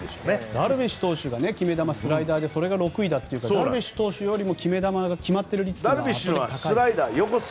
ダルビッシュ投手がスライダーが決め球でそれが６位ということなのでダルビッシュ投手よりも決め球が決まっている率が高い。